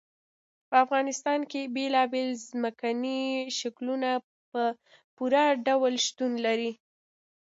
په افغانستان کې بېلابېل ځمکني شکلونه په پوره ډول شتون لري.